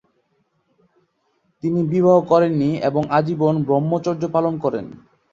তিনি বিবাহ করেননি এবং আজীবন ব্রহ্মচর্য পালন করেন।